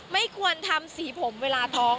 ไม่ควรทำสีผมเวลาท้อง